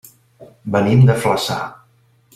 Venim de Flaçà.